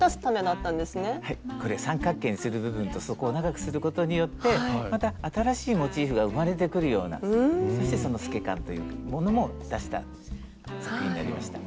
三角形にする部分とそこを長くすることによってまた新しいモチーフが生まれてくるようなそしてその透け感というものも出した作品になりました。